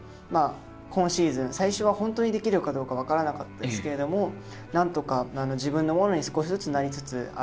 今シーズン最初はホントにできるかどうか分からなかったんですけど何とか自分のものに少しずつなりつつある。